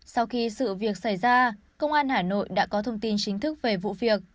sau khi sự việc xảy ra công an hà nội đã có thông tin chính thức về vụ việc